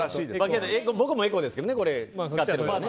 けど、僕もエコですけどね。